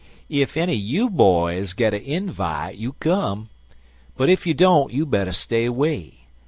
Ef enny you boys git a invite you come, but ef you don't you better stay 'way.